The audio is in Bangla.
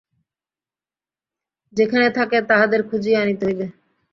যেখানে থাকে তাহাদের খুঁজিয়া আনিতে হইবে।